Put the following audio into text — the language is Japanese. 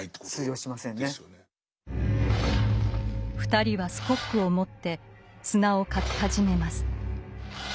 ２人はスコップを持って砂を掻き始めます。